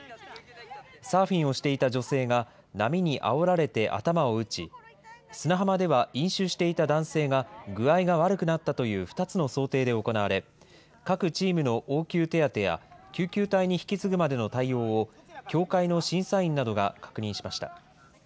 サーフィンをしていた女性が波にあおられて頭を打ち、砂浜では、飲酒していた男性が具合が悪くなったという２つの想定で行われ、各チームの応急手当てや、救急隊に引き継ぐまでの対応を協会の審査員などが確認しました。